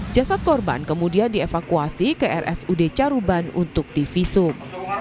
jasad korban kemudian dievakuasi ke rsud caruban untuk divisum